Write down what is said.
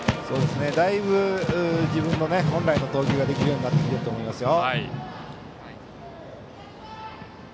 だいぶ自分本来の投球ができるようになってきていると思いますよ。